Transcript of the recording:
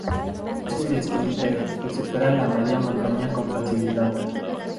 Es un esprínter que supera la media montaña con facilidad.